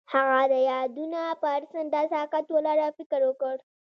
هغه د یادونه پر څنډه ساکت ولاړ او فکر وکړ.